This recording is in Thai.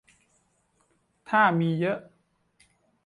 ถ้ามีเยอะ